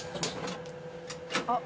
あっ。